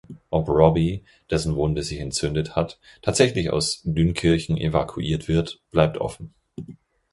Ob Robbie, dessen Wunde sich entzündet hat, tatsächlich aus Dünkirchen evakuiert wird, bleibt offen.